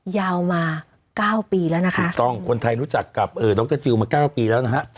ยาวมา๙ปีแล้วนะคะถูกต้องคนไทยรู้จักกับดรจิลมา๙ปีแล้วนะฮะ